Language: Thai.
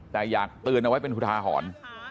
แต่อยากเตือนเอาไว้เป็นอุทาหรณ์